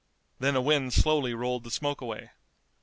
Then a wind slowly rolled the smoke away.